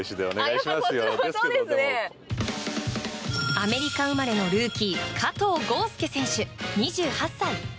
アメリカ生まれのルーキー加藤豪将選手、２８歳。